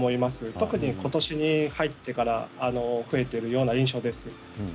特に、ことしに入ってから増えているような印象です。